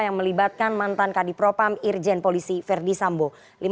yang melibatkan mantan kadipropam irjen polisi verdi sambo